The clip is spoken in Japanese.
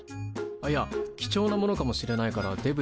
いや貴重なものかもしれないからデブリじゃない。